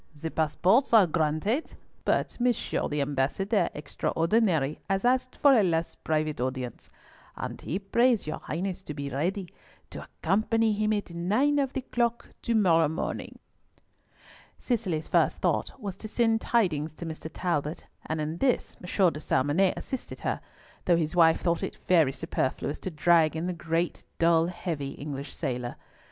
The passports are granted, but Monsieur the Ambassador Extraordinary has asked for a last private audience, and he prays your Highness to be ready to accompany him at nine of the clock to morrow morning." Cicely's first thought was to send tidings to Mr. Talbot, and in this M. de Salmonnet assisted her, though his wife thought it very superfluous to drag in the great, dull, heavy, English sailor.